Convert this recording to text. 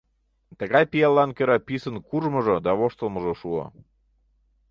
Тыгай пиаллан кӧра писын куржмыжо да воштылмыжо шуо.